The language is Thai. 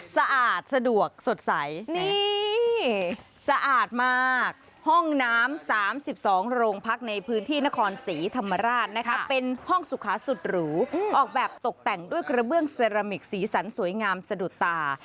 สะอาดมากห้องน้ำ๓๒โรงพักในพื้นที่นครศรีธรรมราชนะครับเป็นห้องสุขสุดรูออกแบบตกแต่งด้วยกระเบื้องเซรามิกสีสันสวยงามสะดวกตา